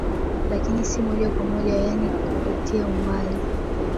Lakini si moja kwa moja yaani kupitia umbali